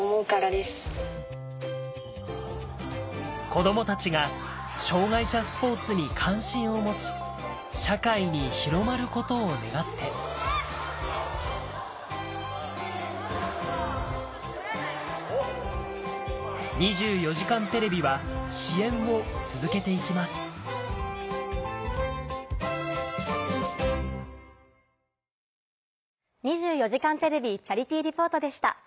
子供たちが障がい者スポーツに関心を持ち社会に広まることを願って『２４時間テレビ』は支援を続けて行きます「２４時間テレビチャリティー・リポート」でした。